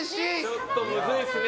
ちょっとむずいっすね